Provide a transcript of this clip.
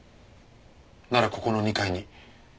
ならここの２階に。